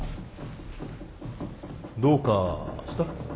どうかした？